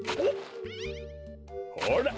ほら！